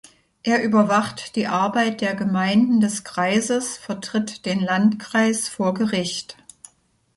Er überwacht die Arbeit der Gemeinden des Kreises, vertritt den Landkreis vor Gericht.